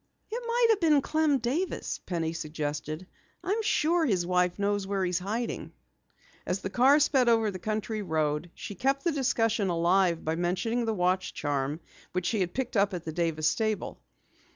"It might have been Clem Davis," Penny suggested. "I'm sure his wife knows where he is hiding." As the car sped over the country road, she kept the discussion alive by mentioning the watch charm which she had picked up at the Davis stable.